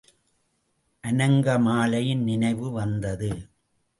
அநங்கமாலையின் நினைவு வந்தது.